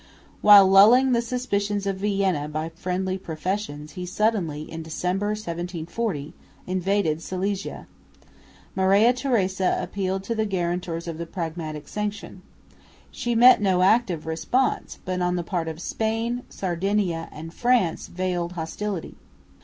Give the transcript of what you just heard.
While lulling the suspicions of Vienna by friendly professions, he suddenly, in December, 1740, invaded Silesia. Maria Theresa appealed to the guarantors of the Pragmatic Sanction. She met no active response, but on the part of Spain, Sardinia and France veiled hostility.